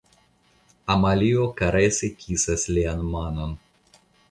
Amalio karese kisas lian manon.